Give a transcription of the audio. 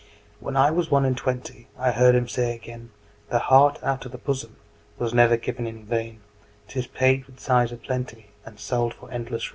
When I was one and twentyI heard him say again,'The heart out of the bosomWas never given in vain;'Tis paid with sighs a plentyAnd sold for endless rue.